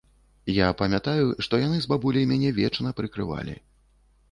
Я памятаю, што яны з бабуляй мяне вечна прыкрывалі.